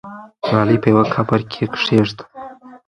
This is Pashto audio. ملالۍ په یوه قبر کې کښېږده.